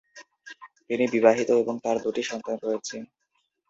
তিনি বিবাহিত, এবং তার দুটি সন্তান রয়েছে।